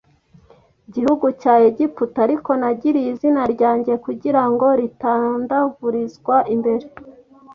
gihugu cya Egiputa Ariko nagiriye izina ryanjye kugira ngo ritandavurizwa imbere